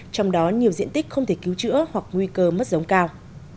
trong đó nhiều diện tích không thể cứu chữa hoặc nguy cơ mất giống cao